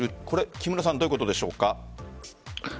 これはどういうことでしょうか？